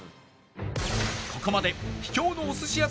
ここまで秘境のお寿司屋さん